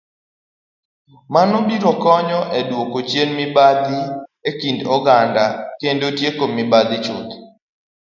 Mano biro konyo e dwoko chien mibadhi e kind oganda, kendo tieko mibadhi chuth.